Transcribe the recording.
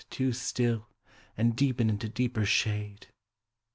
Too still, and deepen into deeper shade.